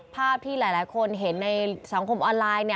ภาพที่หลายคนเห็นในสังคมออนไลน์